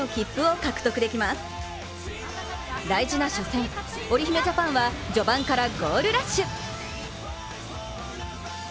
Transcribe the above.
大事な初戦、おりひめジャパンは序盤からゴールラッシュ。